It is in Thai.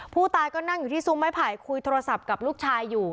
ผู้ตายก็นั่งอยู่ที่ซุ้มไม้ไผ่คุยโทรศัพท์กับลูกชายอยู่